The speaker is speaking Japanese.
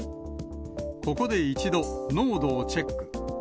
ここで一度、濃度をチェック。